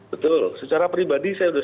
betul secara pribadi saya sudah